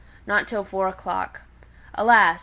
Not till four o'clock. Alas!